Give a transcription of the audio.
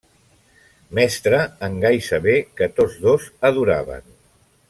Mestre en Gai Saber que tots dos adoraven.